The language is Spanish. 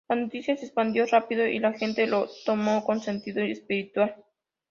La noticia se expandió rápido, y la gente lo tomó con sentido espiritual.